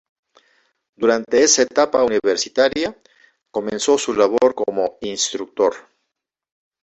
Durante esa etapa universitaria comenzó su labor como traductor.